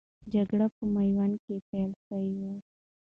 جګړه په میوند کې پیل سوه.